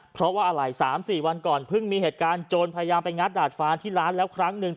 เพราะว่าอะไร๓๔วันก่อนเพิ่งมีเหตุการณ์โจรพยายามไปงัดดาดฟ้าที่ร้านแล้วครั้งหนึ่ง